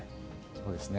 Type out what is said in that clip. そうですね。